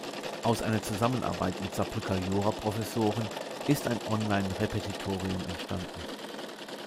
Aus einer Zusammenarbeit mit Saarbrücker Jura-Professoren ist ein Online-Repetitorium entstanden.